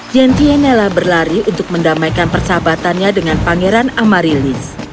gentienela berlari untuk mendamaikan persahabatannya dengan pangeran amarilis